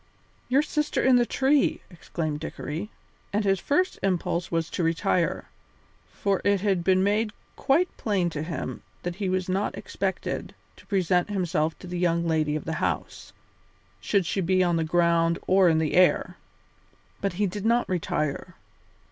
"Your sister in the tree!" exclaimed Dickory. And his first impulse was to retire, for it had been made quite plain to him that he was not expected to present himself to the young lady of the house, should she be on the ground or in the air. But he did not retire.